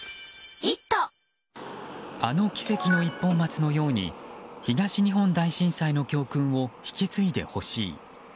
あの奇跡の一本松のように東日本大震災の教訓を引き継いでほしい。